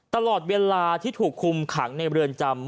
ตลอดเวลาที่ถูกคุมขังในเรือนจำ